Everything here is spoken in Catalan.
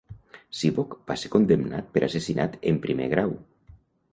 Seabok va ser condemnat per assassinat en primer grau.